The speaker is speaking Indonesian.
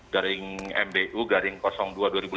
garing mbu garing dua dua ribu lima belas